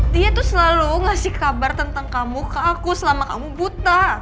dia tuh selalu ngasih kabar tentang kamu ke aku selama kamu buta